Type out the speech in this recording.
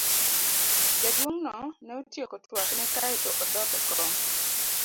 Jaduong'no ne otieko twakne kae to odok e kom.